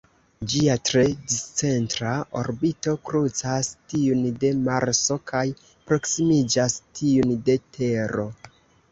Ĝia tre discentra orbito krucas tiun de Marso, kaj proksimiĝas tiun de Tero.